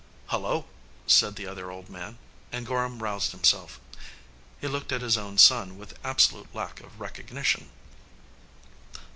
"Hullo!" said the other old man, and Gorham roused himself. He looked at his own son with absolute lack of recognition.